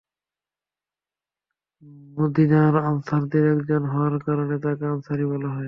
মদীনার আনসারদের একজন হওয়ার কারণে তাঁকে আনসারী বলা হয়।